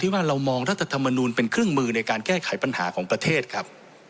ว่าเรามองรัฐธรรมนูลเป็นเครื่องมือในการแก้ไขปัญหาของประเทศครับ